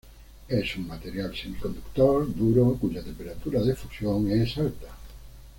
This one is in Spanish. Es un material semiconductor, duro, cuya temperatura de fusión es alta.